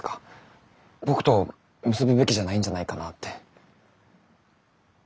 僕と結ぶべきじゃないんじゃないかなって。